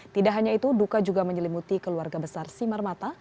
tidak hanya itu duka juga menyelimuti keluarga besar simarmata